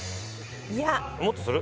いやもっとする？